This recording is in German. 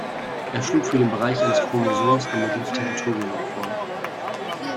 Er schlug für den Bereich eines Chromosoms den Begriff Territorium vor.